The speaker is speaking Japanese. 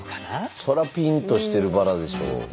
そらピンとしてるバラでしょう。